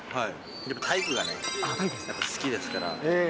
やっぱり体育がね、好きですから。